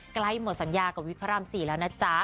ใกล้หมดสัญญากับวิกพระราม๔แล้วนะจ๊ะ